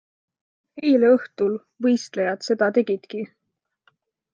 Eile õhtul võistlejad seda tegidki.